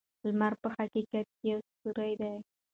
لمر په حقیقت کې یو ستوری دی.